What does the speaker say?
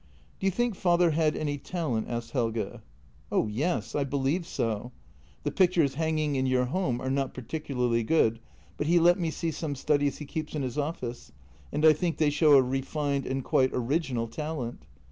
" Do you think father had any talent? " asked Helge. " Oh yes, I believe so. The pictures hanging in your home are not particularly good, but he let me see some studies he keeps in his office, and I think they show a refined and quite original talent.